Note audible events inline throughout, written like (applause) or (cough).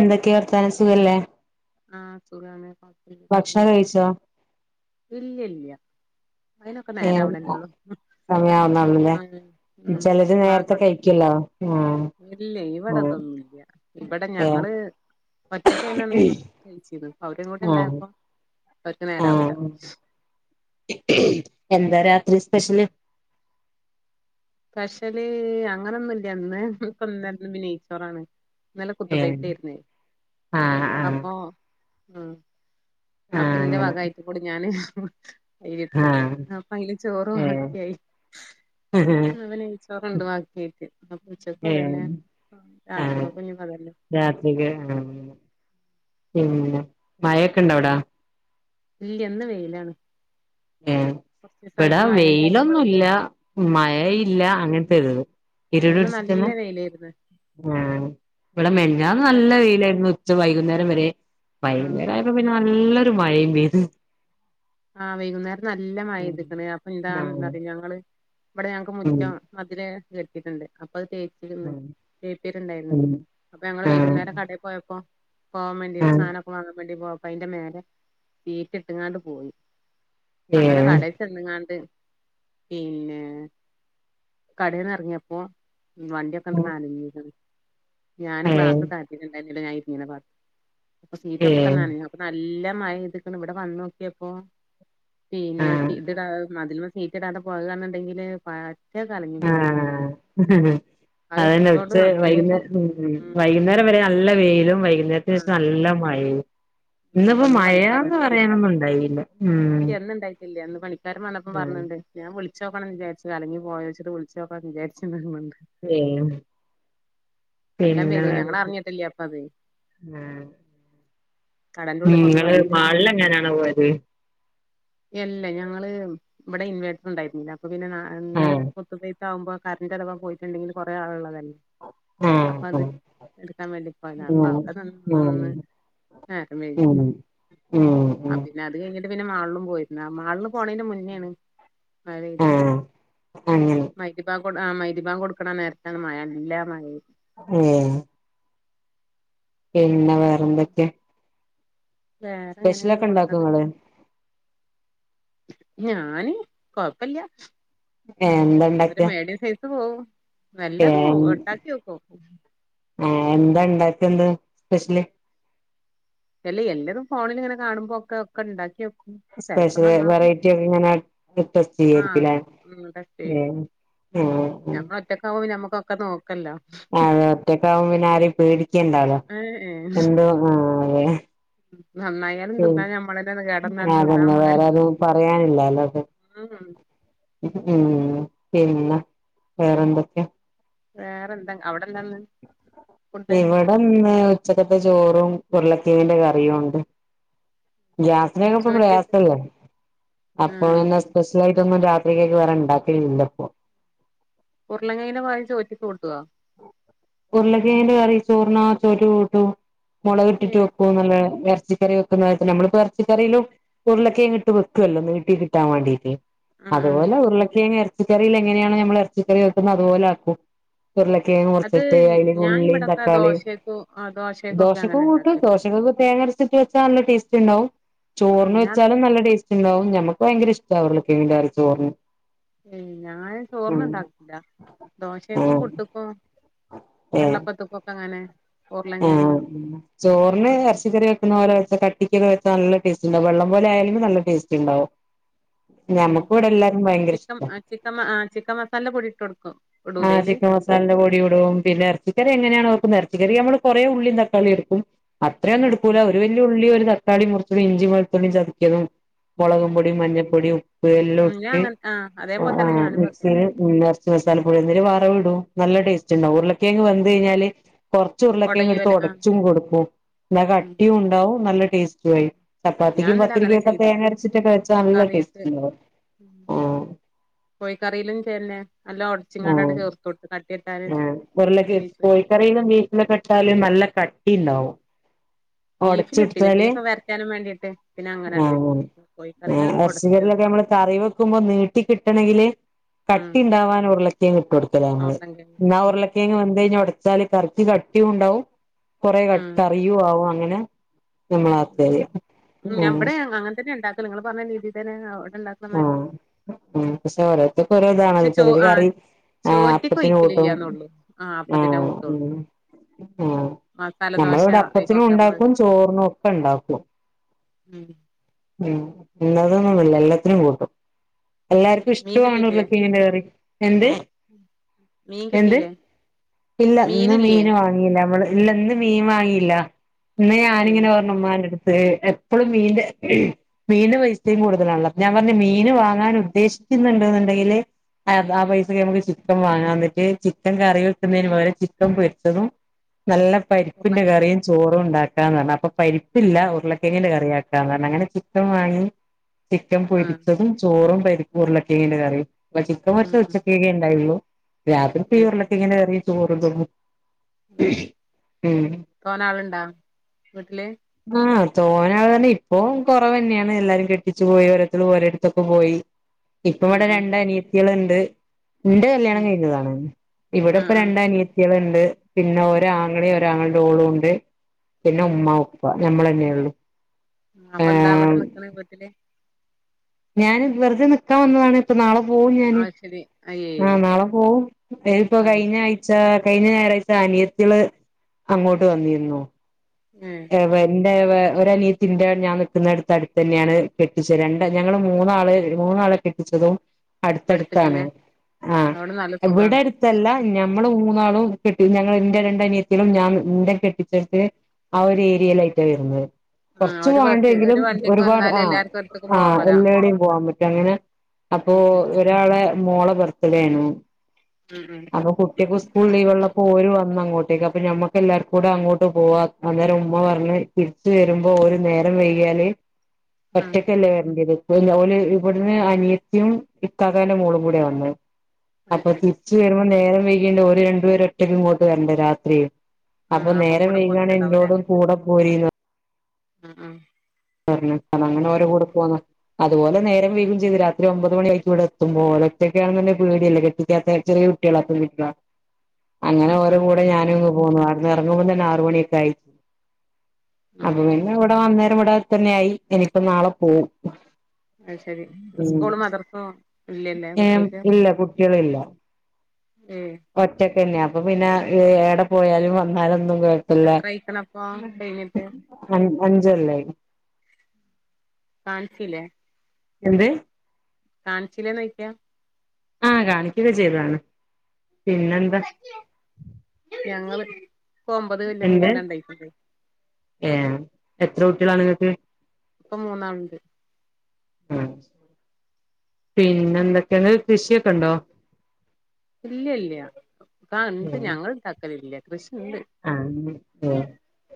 എന്തൊക്കെവർത്താനം സുഖല്ലേ? ആഹ്സുഖാണ് ഭക്ഷണം (unintelligible) കഴിച്ചോ ഇല്ലല്ല അയിനൊക്കെ നേരാവ്ണ ല്ലൊള്ളൂ. (inaudible) സമയാ വുന്നൊ ള്ളൂലെ ചിലര് ബാങ്ക് നേരത്തെ കഴിക്കലോ ആ ഇല്ല ആ ഇവിടെതൊന്നുല്ല ഇവിടെ ഏ ഞങ്ങള്. ഒറ്റക്കയിന്നന്ന് കഴിച്ചനി അവരങ്ങോട്ട് ആ ഇണ്ടായപ്പോ അവർക്ക് ആ നേരാവൂല എന്താ രാത്രി സ്പെഷ്യല്? സ്പഷല് അങ്ങനൊന്നുല്ല ഇന്ന് നെയിച്ചോറാണ്. ഇന്നലെ കുത്ത് ഏ ബെയ്ത്തേർ നെയ് ആ ആ അപ്പൊ. ഉ ആ അപ്പൊ ഇന്റെ അങ്ങനെ വകായിട്ട കൂടി ഞാന് (unintelligible) ആ അയിന്ചോറും ഏ വാക്കിയായി. അപ്പം നെയ്ച്ചോറണ്ട് ബാക്കിട്ട് അ ഏ ഉച്ചക്കതന്നെ ആ രാത്രി കെക്കും ഇഞ്ഞ തന്നെ. പിന്ന മഴൊക്കെണ്ട അവിടെ? ഇല്ലന്ന് വെയിലാണ്. ഏ കൊറച്ച് ഇവിട ദിവസായിട്ട് മഴന്നെയാണ് വെയിലൊന്നുല്ല ഉം മഴയില്ല അങ്ങനത്തെരുത്. ഇന്ന് നല്ല വെയിലേരുന്നു. ആ ഇവിടെ മെനഞ്ഞാന് ഇവിടെ നല്ല വെയിലായിരുന്നു. വൈകുന്നേരം വരെ ആഹ് വൈകുന്നേരം ആയപ്പോ പിന്നെ നല്ലൊരു മഴയും പെയ്തു. ആഹ് വൈകുന്നേരം നല്ല മഴ പെയ്ത് ക്ക്ണ് അപ്പൊ എന്താ എന്താ ആഹ് നറിയോ ഞങ്ങള് ഇവിടെ ഞങ്ങക്ക് ഉം മുറ്റം മതില് കെട്ടിട്ടുണ്ട്. അപ്പ അത് തേച്ചിരുന്നു തേപ്പാര്ണ്ടായിരുന്നു ഉം അപ്പൊ ഞങ്ങള് ആഹ് വൈകുന്നേരം കടയിൽ പോയപ്പോ പോവാൻ വേണ്ടീട്ട് ആഹ് സാധ നൊക്കെ വാങ്ങാൻ വേണ്ടി പോയപ്പോ അയിന്റെ മേല ഷീറ്റിട്ട്ങ്ങാണ്ട് പോയി. അങ്ങനെ ഏഹ് കടയി ചെന്ന്ങ്ങാണ്ട്. പിന്നെ കടെന്ന് ഇറങ്ങിയപ്പോ വണ്ടിയൊക്കങ്ങട് നനഞ്ഞ് ക്ണ്. ഞാൻ ഏഹ് ഗ്ലാസ് താത്തീട്ട് ണ്ടേർന്നില ഞാനിരുന്ന ഭാഗത്ത് അപ്പ സീറ്റൊക്കെ ഏഹ് നനഞ്ഞു അപ്പ നല്ല നല്ല മഴയ്ക്ക്ണ് ഇവിടെ വന്നോക്കിയപ്പോ പിന്നെ ആഹ് ഇ മതി സീറ്റിടാത പോകന്നുണ്ടെങ്കില് പറ്റെ കലങ്ങി പോയിനി സിമന്റ്. ഹി ഹി അത് അതന്നെ ഇട്ടതോണ്ട് ഉച്ച നന്നായി വൈകുന്നേരം ഉം വൈകുന്നേരം വരെ നല്ല വെയിലും വൈകുന്നേരത്തിന് ശേഷം ആഹ് നല്ല മഴയും. ഉം അപ്പൊ ഇന്ന്പ്പോ ഇന്ന് പണിക്കാര് മഴാന്ന് വന്നപ്പോ പറയാനൊന്നും ഇണ്ടായില്ല ഉ ഇല്ല അന്ന് പണിക്കാരൻ വന്നപ്പം പറഞ്ണ്ട് ഞാൻ വിളിക്ക ച്ചോക്കണം വിചാരിച്ച അലിഞ്ഞ പോയോച്ചിട്ട് വിളിച്ചോക്കൻ (unintelligible) ഏ നല്ലോം പിന്നെ പെയ്ത്ക്ക്ണ് വേറെ ഞങ്ങളറിഞ്ഞിട്ടില്ല അപ്പ അത് എന്താ ഏ കടന്റെ ഉള്ള്ക്കൊന്നും നിങ്ങള് അറിയില്ലല്ലോ മാളില് എങ്ങനാണ് പോയത്? അല്ല ഞങ്ങള് ഇവിടെ ഇൻവേർട്ടർ ഇണ്ടായിരുന്നില്ല അപ്പൊ പിന്നെ ഇന്നലെ ആഹ് മൊത്തതി ആകുമ്പോ കറന്റ് അഥവാ പോയിട്ട് ണ്ടങ്കിൽ കുറെേ ആള്ള്ളതല്ലേ? ആഹ് അപ്പൊ അത് എടുക്കാൻ വേണ്ടി പോയന അപ്പൊ ആഹ് അവിടെ നിന്ന് നിന്ന് നിന്ന് ആ അങ്ങനെ (unintelligible) ഉം ഉം ഉം ആ ഉം പിന്നെ അത് കഴിഞ്ഞിട്ട് പിന്നെ മാളിലും പോയി മാളിലും. പോണെന്റെ മുന്നെ ആണ് ആഹ് അങ്ങനെ (unintelligible) ആ മൈദി മാവ് കൊടുക്കണ നേരത്താണ് മഴ എല്ലാ നന ഊ പിന്നെ വേറെ പിന്നെ എന്തൊക്കെയാ വേറെ എങ്ങനെ സ്പെഷ്യലൊക്കെ പോണ് ഇണ്ടാക്കുവോ ഇങ്ങക്ക് നിങ്ങള് ഞാന് കൊഴപ്പില്ല ഏ എന്തണ്ടൊക്കെ ണ്ട് പോവും നല്ലതും ഉണ്ടാക്കി വെക്കും ആ എന്താ ഉണ്ടാക്കിയല് സ്പെഷ്യല് എല്ലി എല്ലതും ഫോണിൽ ഇങ്ങനെ കാണുമ്പോ ഒക്കെ ഒക്കെ ഉണ്ടാക്കിയ സ്പെഷ്യല് വെറൈറ്റി ക്കെ ഇങ്ങനെ ടെസ്റ്റ് ആ ചെയ്യക്കില്ലേ ഉം ടെസ്റ്റ് ഏ ചെയ്യും നമ്മള് ഒറ്റക്ക് ആവു നമ്മുക്കൊക്കെ നോക്ക് അ അതെ ഒറ്റക്കാവും പിന്നെ ആരെയും പേടിക്കണ്ടാലോ ഏ ഏ എന്തോ ആ അതെ നന്നായാലും ശരി തിന്നാ ഞമ്മളെന്നെ കേടന്നാലും തിന്നാ അതന്നെ (unintelligible) പറയാനില്ലല്ലോക്കെ ആന്നാ ഉം പിന്നെ വേറെന്തൊക്കെയാ വേറെ എന്താ ഇവിടന്ന് ഉച്ചക്കത്തെ ചോറും ഉരുളക്കെങ്ങിന്റെ കറിയും ഉണ്ട്. ഗ്യാസിനക്കപ്പ ചോറ്റ്ക്ക് പ്രയാസല്ലേ അപ്പൊ ആഹ് എന്നാ സ്പെഷ്യലായി (unintelligible) രാത്രിക്കേക്ക് വേറെ ഉണ്ടാക്കില്ലല്ലോപ്പോ. ഉരുളകിഴനെ വാങ്ങിച്ച് ഒറ്റിക്ക് കൊടുത്തതാ ഉരുളക്കിഴങ്ങിന്റെ കറി ചോറിനാത്ത് ഒരു ട്ടു മുളക് ഇട്ടിട്ട് ഏഹ് വെക്കും നല്ല രസ് ച്ചിക്കറി വെക്കുന്നവർക്കും നമ്മള്പ്പം ഇറച്ചിക്കറിയിലും ഉരുളക്കിയങ്ങ് ഇിട്ട് വെക്കുവല്ലോ നീട്ടി കിട്ടാൻ വേണ്ടീട്ട് ഉം ഉം അതുപോലെ ഉരുളക്കിയങ്ങ് ഇറച്ചിക്കറിൽ എങ്ങനെയാണ് നമ്മൾ ഇറച്ചിക്കറി വെക്കുന്നത് അതുപോലെ ആക്കും ഉരുളക്കിയങ്ങ് മുർച്ച് അത് തേങ്ങയും ഞാൻ ഉുള്ളിയും ഇവിടൊക്കെ തക്കാളിയും ദോശക്കും ദോശക്കൊക്കെ ദോശക്ക് അങ്ങനെ കൂട്ടും ഉണ്ടാക്കല് ദോശൊക്കെ തേങ്ങരച്ചിട്ട് വെച്ചാ നല്ല ടേസ് ട്ടിണ്ടാവും ആഹ് ചോറിന് ഞാൻ വെച്ചാലും നല്ല ടേസ്റ്റ് ഉണ്ടാവും ഞമ്മക്ക് പയിങ്കര ഇഷ്ട്ടാണ് ഉരുളക്കിഴങ്ങിന്റെ അകത്ത് ചോറ് ഏയ് ഞാൻ ചോറിന് ഉണ്ടാക്കൂലാ ദോശക്കും ആഹ് പുട്ടക്കും കള്ളപ്പത്തുക്കുക്കങ്ങനെ ഓ ചോറിന് ഇണ്ടാക്കും ഇറച്ചിക്കറി വെക്കുന്ന പോലെ ച്ചി കട്ടിക്കൊക്കെ വെച്ചാ നല്ല ടേസ്റ്റ് ഉണ്ടാവും വെള്ളം പോലെ ആയാലും നല്ല ടേസ്റ്റ് ഉണ്ടാവും. ഉ ഞമ്മക്ക് ഇവിടെ എല്ലാർക്കും ഭയങ്കര ചിക്കമ് ഇഷ്ടാ ചിക്കൻ ആ ചിക്കൻ മസാലടെ പൊടിട്ട് കൊടുക്കും. ഇടൂലേ ആ് അയില് ചിക്കൻ മസാലടെ പൊടിടും പിന്നെ ഇറച്ചിക്കറി ഉം എങ്ങനെയാണൊ വയ്ക്കുന്നെ എറച്ചിക്കറിക്ക് നമ്മള് കൊറേ ഉള്ളിയും തക്കാളിയും എടുക്കും അത്രൊന്നും എടുക്കൂല ഒരു വലിയ ഉള്ളിയും ഒര് തക് ക്കാളി മുറിച്ചതും ഇഞ്ചി വെളുത്തുള്ളി ചതിക്കതും മുളകും പൊടി മഞ്ഞപ്പൊടി ഉപ്പ് എല്ലോം ഉം ഞാൻ ഇട്ട് അങ്ങനെ ആഹ് ആ അതേപോലെ ആ് തന്നെ ഞാനും വെക്കല് മിക്സിയിൽ നിറച്ച് (unintelligible) (unintelligible) ഇടും നല്ല ടേസ്റ്റ് ഉണ്ടാവും ഉരുലക്കിയങ്ങ് വെന്ത് കഴിഞ്ഞാല് (unintelligible) ച്ചുരുളക്കെയങ്ങെടുത്ത് കൊടയോല ആ ഉടച്ചും കൊടുക്കും എല്ല ഉം കട്ടിയും ഉണ്ടാവും നല്ല ടേസ്റ്റ് വരും ഞാൻ ചപ്പാത്തിക്കും ഇന്നലെ അങ്ങനെ പത്തിരിക്കും ഒക്കെ ചെയ്തത് തേങ്ങ അരച്ചിട്ടൊക്കെ വെച്ചാ നല്ല ടേസ്റ്റ് കറിക്ക് ഉണ്ടാവും. ആഹ് കോഴിക്കറിയിലും ചിന്നെ എല്ലാം ഉടച്ചിങ്ങാടാട് ചേർത്തോട്ട് ക ആ ഉരുളകിഴ കോഴിക്കറിയിലും ബീഫിലക്കെ ഇട്ടാല് നല്ല കട്ടി ഇണ്ടാവും ഉടച്ചെട്ത്താല് (unintelligible) വേണ്ടിട്ട് പിന്നെ അങ്ങനെണ്ട് കോഴിക്കറിൽ ഒടച്ച് ചേർ ഇറച്ചിക്കറിലൊക്കെ നമ്മള് കറി വെക്കുമ്പോ നീട്ടി കിട്ടണെങ്കില് കട്ടി ഉണ്ടാവാൻ ഉരുളക്കിയങ്ങ് ഇട്ട് കൊടുക്കല ഞമ്മള് ഉരുളൻകിഴങ്ങൊക്കെ എന്നാ ഉം ഉരുള കിയങ്ങ് വെന്ത് കഴിഞ്ഞാ വച്ചാല് കറിക്ക് കട്ടി ഉണ്ടാവും കൊറേ ക കറിയും ആവും അങ്ങനെ ഉം നമ്മളാക്കല് ഉം ഞമ്മടെ അങ്ങൻ തന്നെ ണ്ടാക്കല് ങ്ങൾ പറഞ്ഞ രീതി തന്നെ ഉണ്ടാക്കണ മാതിരി ആഹ തന്നെ പക്ഷെ ഓരോര്ത്തർക്ക് ഓരോ ഇതാണ പക്ഷെ ചോ ചിലര് ആ അറി ആഹ് ചോറ്റ്ക്ക് അപ്പത്തിന് കൂട്ടും ഒഴിക്കലില്ലാന്നൊള്ളു ആ അപ്പത്തിനെ ആഹ ഉ കൂട്ടുള്ളൂ ആ മസാലദോശ നമ്മളെവിടെ പ്പത്തിനും അയിക്കൊക്കെ നമ്മള് ണ്ടാക്കും ചോറിനും ഒക്കെണ്ടാക്കും ഉം ഉം ന്നതൊനൊന്ന്ല്ല എല്ലത്തിനും കൂട്ടും എല്ലാർക്കു മീൻ ഇഷ്ട്വാണ് കിട്ടീട്ടില്ലേ ഉറ്ളകേങ് കറി എന്ത് മീൻ എന്ത് കിട്ടീല്ലേ ഇല്ല ഇന്ന് മീനില്ലേ മീന് വാങ്ങീലാ മ്മള് ഇല്ലന്ന് മീൻ വാങ്ങിയില്ല ഇന്ന് ഏ ഞാനിങ്ങനെ പറഞ്ഞു ഉമ്മാൻ്റെടുത്ത് എപ്പളും മീന്റെ മീൻ്റെ പൈസെം കൂടുതലാണല്ലോ അപ്പോ ഞാൻ പറഞ്ഞു മീന് വാങ്ങാനുദ്ദേശിക്ക്ന്ന്ണ്ട് ന്നുണ്ടെങ്കില് അഹ് ആഹ് പൈസക്ക് ഞമക്ക് ചി ക്കൻ വാങ്ങാന്നിട്ട് ചിക്കൻ കറി വെക്കുന്നതിന് പകരം ചിക്കൻ പൊര്ച്ചതും നല്ല പരിപ്പിന്റെ ഉരുളങ്ക കറിയും, ചോറു ണ്ടാക്കാന്ന്റഞ്ഞു. അപ്പൊ പരിപ്പില്ല. അത് ശരി ഉരുളക്കെങ്ങിന്റെ കറിയാക്കാന്ന് അങ്ങനെ ചിക്കൻ വാങ്ങി, ചിക്കൻ ആ പൊരിച്ചതും, ചോറും, പരിപ്പ്, ഉരുളൊക്കെങ്ങിന്റെ കറിയും. പ്പ ചിക്കം ഉം പൊര്ച്ചത് ഉം ഉച്ചക്കെകെ ഇണ്ടായുള്ളൂ. രാത്രി പ്പി അത് ശരി യുർളക്കെങ്ങിൻ്റെ കറിയു ചോറു തും ഉം ഉം തോനെ ആളുണ്ടാ വീട്ടില് ആഹ് തോന ആളെന്നെ ഇപ്പൊ കൊറവെന്നെണ്. എല്ലാരും കെട്ടിച്ചു പോയി ഓരോര്ത്തരും ഓരോട്ത്ത്ക്കും പോയി. ഇപ്പ ആ വിടെ ആ രണ്ട് അനിയത്തിയേള് ണ്ട്. ഇൻ്റെ കല്യാണം ഉം കഴിഞ്ഞതാണ് ഇവിടെ ആ പ്പ ആ രണ്ടനിയത്തിയേള് പിന്നെ ഓര് ആങ്ങളെ ഒരാങ്ങൾൻ്റെ ഓളൂണ്ട് പിന്നെ ഉം ഉമ്മ ഉപ്പ ഞമ്മളന്നെ യൊള്ളു ആ അപ്പെന്താ അവിടെ നിക്ക്ണെ വീട്ടില് ഞാൻ വെർതെ നിക്കാവന്നതാണ് ഇപ്പൊ നാളെ പോവും ഞാന് അത് ശരി അയ്യേ ആഹ് നാളെ പോവും എ പ്പോ അത് ശരി കഴിഞ്ഞാഴ്ച കഴിഞ്ഞ ഞാറാഴ്ച അനിയത്തിള് അങ്ങോട്ട് വന്നിരുന്നു ഏ എവൻ ഒരനിയത്തിന്റെ ഞാൻ നിക്കുന്നടുത്ത അടുത്തെന്നെയാണ് കെട്ടിച്ചെ രണ്ട് ഞങ്ങള് മൂന്നാള് മൂന്ന ആളെ കെട്ടിച്ചതും അട്ത്തട്ത്താണ് അടുത്ത്ക്കന്നെ ആഹ് അവിടെ നല്ല സുഖാണ് ഇവിടെട്ത്തല്ലാ ഞമ്മള് മൂന്നാള് ഞങ്ങളെ എന്റെ രണ്ടനിയത്തിളും ഞാൻ എൻ്റെ കെട്ടിച്ചെട്ത്ത് ആ ഒരു ഏരീലായിട്ടാണ് വരുന്നത് ആ കുറച്ചു ഒരു പോവാൻ ഒള്ളൂ ബസ് ഒരു എങ്കിലും വണ്ടിക്ക് ഒരുപാട് വന്നാല് എല്ലാർക്കും ഒരിടത്തേക്കും ആ പോവലാ എല്ലായിടത്തും പോവാൻ പറ്റും അങ്ങനെ അപ്പോ ഉം ഉം ഒരാളെ മോളുടെ ബർത്തഡേ ആണ് ഉം ഉം അപ്പൊ കുട്ടിക്ക് സ്കൂൾ ലീവ് ഉള്ളപ്പോൾ ഓല് വന്നങ്ങോ ട്തേക്ക് അപ്പൊ ഞമ്മൾക്കു എല്ലാവർക്കും അങ്ങോട്ട് പോവാ അന്നേരം ഉമ്മ പറഞ്ഞ് തിരിച്ച് വരുമ്പോ ഒല് നേരം വൈകില് ആ ഒറ്റക്കല്ല വരണ്ട്യത് ല്ല ഒല് ഇവിടുന്ന് അനിയത്തിം ഇക്കാകാൻ്റെ മോളും കൂടെ വന്നെ അത് അപ്പൊ ശരി തിരിച്ചു വരുമ്പോ നേരം വൈകേണ്ട് ഒര് രണ്ട്പേര് ഒറ്റക്ക് ഇങ്ങോട്ട് വരണ്ടേ രാത്രി ആ അപ്പൊ നേരം കൂടെ വൈകാണെ ഇഞ്ഞോടും കൂടെ പോരീന്ന് ഉം ഉം പർഞ്ഞു അങ്ങന ഓരെ കൂടെ പോന്നു അതുപോലെ നേരം വെയ്കും ചെയ്തു രാത്രി ഒമ്പത് മണി ആയിക്കും ഇവിടെ ഓലൊറ്റക്കാണെന്ന്ണ്ടങ്കി പേട്യല്ലേ കെട്ടിക്കാത്ത ചെറിയ കുട്ടിളാ (unintelligible) ആ അങ്ങനെ ആ ഓരെ കൂടെ ഞാനുങ്ങ് പോന്നു അവിട്ന്ന് എറങ്ങുമ്പോ തന്നെ ആറ് മണിയൊക്കെ അയി. ആ അപ്പൊ പിന്നെ ഇവിടെ വന്നേരം ഇവിടെ തന്നെയായി ഇനിയിപ്പോ നാളെ പോവും അത് ശരി സ്കൂൾ മദ്റസോ എം ഇല്ല കുട്ട്യേള് ഇല്ല ഏയ് ഒറ്റക്കെന്നെ അപ്പൊ പിന്നെ ഏടെ പോയാലും വന്നാലൊന്നും കുഴപ്പല്ല എത്രയ്ക്ക്ണപ്പോ കൈഞ്ഞിട്ട് അഞ്ച് കൊല്ലായിന് കാണിച്ചില്ലേ എന്ത് കാണിച്ചില്ലേ ന്ന്ചോയിക്ക ആഹ കാണിക്കുക ചെയ്താണ് ഞങ്ങള് ഇൻക്ക് ഒമ്പത് കൊല്ലം കഴിഞ്ഞിട്ടാ ഉണ്ടായിക്കണതെ ഏ എത്ര കുട്ടികളാണ് നിങ്ങൾക്ക് ഇപ്പൊ മൂന്നാൾണ്ട് പിന്നെ എന്തൊക്കെയണ്ട് കൃഷിയൊക്കെണ്ടോ ഇല്ല ഇല്ല ക എ ഏഹ് ഞങ്ങള് ണ്ടാക്കലില്ല കൃ ണ്ട്. ആഹ് ഏഹ്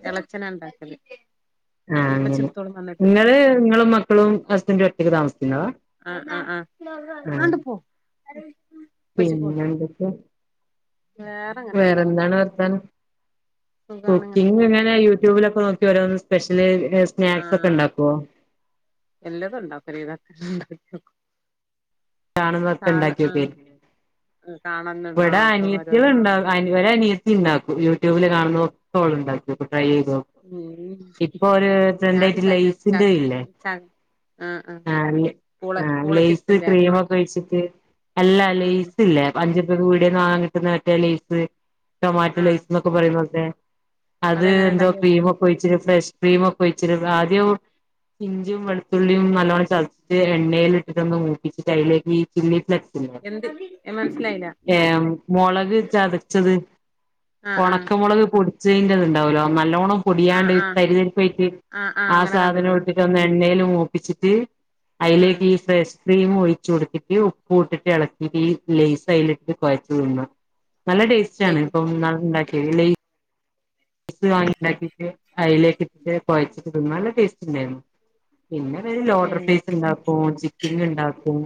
ഇളച്ചന ഉണ്ടാക്കൽ ആ അങ്ങനെ നിങ്ങള് നിങ്ങളും മക്കളും ഹസ്ബൻറും ഒറ്റക്ക് താമസിക്ക ആഹ ആഹ ആഹ ആഹ് കണ്ട പോ ഇപ്പച്ചി പോ പിന്നെ എന്തൊക്കെ വേറെ അങ്ങനെ പോണ് വേറെന്താണ് വർത്താനം സുഖാണ് ഇങ്ങനെ കുക്കിംഗ് എങ്ങനെ പോണണ്ട് യൂട്യൂബിലൊക്കെ നോക്കി ഓരോന്ന് സ്പെഷ്യല് സ്നാക്സ് ഒക്കെ ആഹ ഉണ്ടാക്കുവോ എല്ലാതും ഉണ്ടാക്കും ഒരു വിതൊക്കെ കാണുന്നൊക്കെ ഇണ്ടാക്കിയൊക്കെ കാണന്ന് ആ ഇവിടെ അനിയത്തി ഉണ്ട ഓരോന്നൊക്കെ ഒ അനിയത്തി ഉണ്ടാക്കും ട്യൂബില് കാണുന്നഒക്കെ ഓൾ ഉണ്ടാക്കും ട്രൈ ചെയ്ത് നോക്കും ഉ ഇപ്പൊ ഒരു ട്രെൻഡ് ആയിട്ട് ഞാനും തന്നെ ച്ച ലെയ്സിന്റെ ഇല്ലേ ആ ആ പൂള പൂളച്ചിപ്പ്സിന്റെ കഴിച്ചിട്ട് എല്ലാ ലേസ് ഇല്ല അഞ്ച്ർപ്യക്ക് പീഡിയന്നു വാങ്ങാൻ കിട്ടുന്ന ലൈസ് ടൊമാറ്റ ആഹ് ലൈസ് എന്നൊക്കെ പറയുന്നത്ക്കെ അത് അതെങ്ങനെ എന്തോ ഇണ്ടാക്കി വെക്കാ ക്രീമൊക്കെ ഒഴിച്ചിട്ടും ഫ്രഷ് ക്രീമ ഒക്കെ ഒഴിച്ചിട്ടും ആദ്യം ഇഞ്ചും വെളുത്തുള്ളിയും നല്ലവണ്ണം ചതച്ചിട്ട് എണ്ണയിൽ ഇട്ടിട്ട് ഒന്ന് മൂപ്പിച്ചിട്ട് അതിലേക്ക് ഈ ചില്ലി ഫ്ലെക് എന്ത് മനസ്സിലായില്ല ഏ മുളക് ചതച്ചത് ആഹ് ആഹ് ഉണക്കമുളക് പൊടി ചെയ്യ ഉണ്ടാവല്ലോ നല്ലോണ്ണം ആഹ് പൊടിയാണ്ട് ആഹ് തരിതരിപ്പയിട്ട് ആഹ് ആഹ് ആ അങ്ങനെ സാധനം കണ്ട്ക്ക്ണ് ഇട്ടട്ട് ഒന്ന് എണ്ണൽ മോപ്പിച്ചിട്ട് ആഹ് അയില്ലക്കി ഫ്രഷ് ക്രീം ഒഴിച്ചു കൊടുത്തിട്ട് ഉപ്പ് ഇട്ടിട്ട് ഇളക്കിട്ട് ഈ ലേസ് അതിലിട്ട് കുഴച്ച തിന്ന നല്ല ടേസ്റ്റ് ആണ് ലൈവ് ഇപ്പൊ ന്നാൾ ഉണ്ടാക്കിയത് ല ഇത് വാങ്ങിണ്ടാക്കിട്ട് അലേക്ക് ഇട്ടട്ട് കുഴച്ചിട്ട് വ നല്ല ടേസ്റ്റ് ഉണ്ടായിരുന്നു പിന്നെ വ ഏഹ് ലോഡർഫ്രൈസ് ഉണ്ടാക്കും ചിക്കിൻങ് ഉണ്ടാക്കും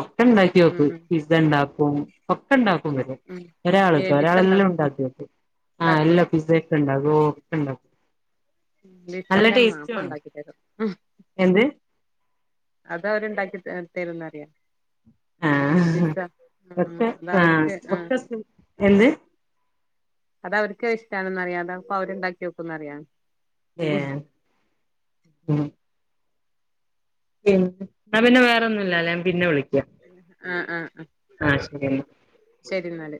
ഒക്കെ ഉണ്ടാക്കി ഉം നോക്കും ഉം പിസ്സ ഉണ്ടാക്കുംഒക്കെ ഉണ്ടാക്കും ഉം ഒരാൾ ക കേട്ടോ ഏബിസ ഇണ്ടാ ഒരാളെല്ലാം ഉണ്ടാക്കിക്കും ആ ഇണ്ടാക്കോ എല്ലാം പിസ്സ ഒക്കെ ണ്ടാക്കും ഓ ഒക്കെ ണ്ടാക്കും (unintelligible) ഇന്റെ മാപ്പിള ഉണ്ടാക്കി തരും (inaudible) അത് അവരുണ്ടാക്കി തരുന്നറിയാം ആഹ ഒക്ക ആഹ് ആ അതവര്ക്ക് ഒക്ക ആഹ് എന്ത് അത് അവർക്ക് ഇഷ്ടണെന്ന് അറിയാം അത അപ്പൊ അവരുണ്ടാക്കി നോക്കുംന്ന് അറിയാം ഏ ഉം പി ഞാൻ പിന്നെ വേറെ ഒന്നുംല്ലല്ല ഞാൻ പിന്നെ വിളിക്കാം ഉം ഉം ആ ശരിയെന്ന എന്നാല്